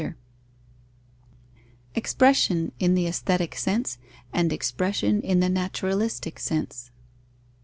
_Expression in the aesthetic sense, and expression in the naturalistic sense.